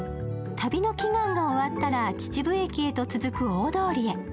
旅の祈願が終わったら、秩父駅へと続く大通りへ。